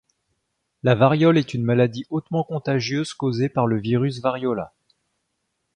La variole est une maladie hautement contagieuse causée par le virus Variola.